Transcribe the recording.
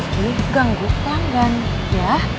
yuki ganggu tangan ya